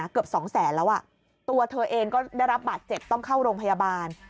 เกือบสองแสนแล้วอ่ะตัวเธอเองก็ได้รับบาดเจ็บต้องเข้าโรงพยาบาล